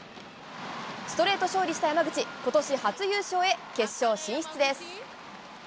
ストレート勝利した山口、ことし初優勝へ決勝進出です。